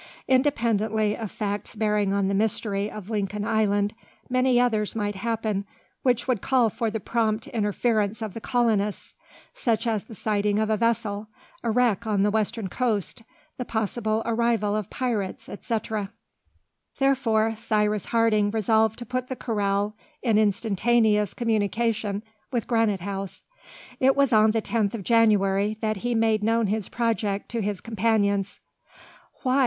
Independently of facts bearing on the mystery of Lincoln Island, many others might happen, which would call for the prompt interference of the colonists, such as the sighting of a vessel, a wreck on the western coast, the possible arrival of pirates, etc. Therefore Cyrus Harding resolved to put the corral in instantaneous communication with Granite House. It was on the 10th of January that he made known his project to his companions. "Why!